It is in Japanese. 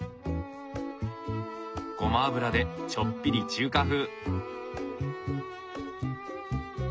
ごま油でちょっぴり中華風。